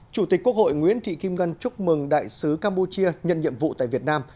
chủ tịch quốc hội nguyễn thị kim ngân chúc mừng đại sứ campuchia nhận nhiệm vụ tại việt nam